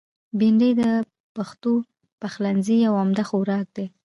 بېنډۍ د پښتو پخلنځي یو عمده خوراک دی